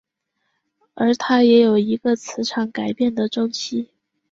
而它也有一个磁场改变的周期。